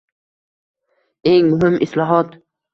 Eng muhim islohot